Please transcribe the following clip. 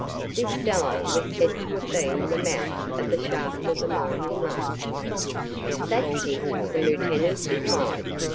This cellar was said to have been the mouth of the shaft of the mine enlarged." "That's it," the lieutenant replied.